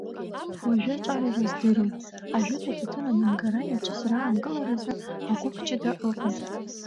Уажәы аҿар ирыздыруам, ажәытә аҭаҭын амҩангара иаҿыз раанкыларазы агәыԥ ҷыда ыҟан.